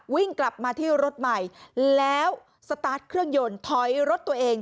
วิ่งกลับมาที่รถใหม่แล้วสตาร์ทเครื่องยนต์ถอยรถตัวเอง